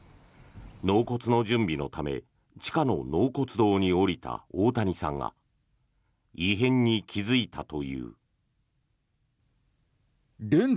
納骨の準備のため地下の納骨堂に下りた大谷さんが異変に気付いたという。